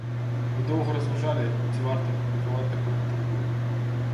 Мы доўга разважалі, ці варта публікаваць такое інтэрв'ю.